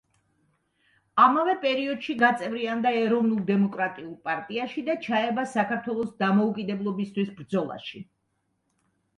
ამავე პერიოდში გაწევრიანდა ეროვნულ–დემოკრატიულ პარტიაში და ჩაება საქართველოს დამოუკიდებლობისთვის ბრძოლაში.